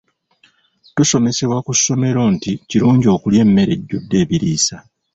Tusomesebwa ku ssomero nti kirungi okulya emmere ejjudde ebiriisa.